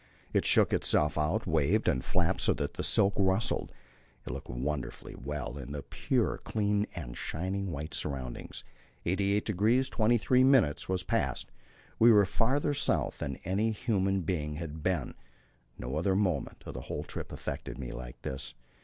It shook itself out, waved and flapped so that the silk rustled; it looked wonderfully well in the pure, clear air and the shining white surroundings. 88° 23' was past; we were farther south than any human being had been. No other moment of the whole trip affected me like this.